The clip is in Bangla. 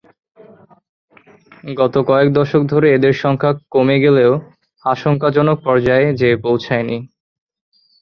গত কয়েক দশক ধরে এদের সংখ্যা কমে গেলেও আশঙ্কাজনক পর্যায়ে যেয়ে পৌঁছায় নি।